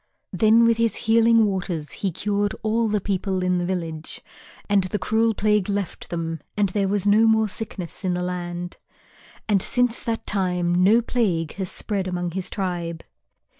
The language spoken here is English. Then with his Healing Waters he cured all the people in the village, and the cruel plague left them and there was no more sickness in the land. And since that time no plague has spread among his tribe.